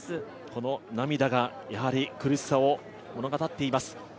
この涙が苦しさを物語っています。